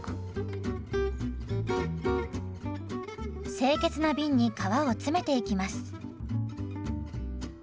清潔な瓶に皮を詰めていきます。